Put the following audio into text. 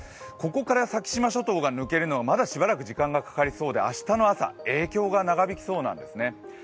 ここから先島諸島が抜けるのはまだしばらく時間がかかりそうで明日の朝、影響が長引きそうなんですね。